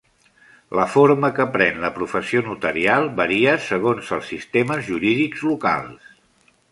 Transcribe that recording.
La forma que pren la professió notarial varia segons els sistemes jurídics locals.